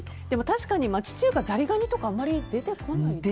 確かに町中華はザリガニとかあまり出てこない。